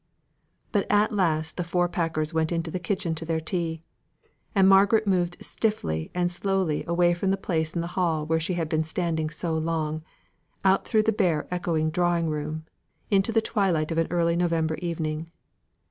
But at last the four packers went into the kitchen to their tea; and Margaret moved stiffly and slowly away from the place in the hall where she had been standing so long, out through the bare echoing drawing room, into the twilight of an early November evening.